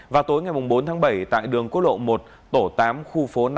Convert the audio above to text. vào tối ngày bốn tháng bảy tại đường quốc lộ một tổ tám khu phố năm